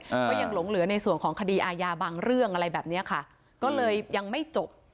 ก็ยังหลงเหลือในส่วนของคดีอาญาบางเรื่องอะไรแบบเนี้ยค่ะก็เลยยังไม่จบ